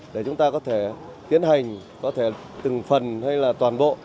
để chúng ta có thể tiến hành có thể từng phần hay là toàn bộ